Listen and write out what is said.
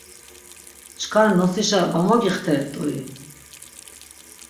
Çkar nosişa va mogixteret̆ui?